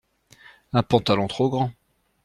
Un pantalon trop grand.